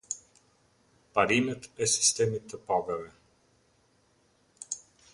Parimet e sistemit të pagave.